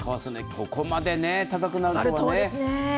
ここまで高くなるとはね。